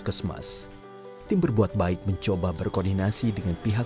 terselip doa tulus yang melelehkan air mata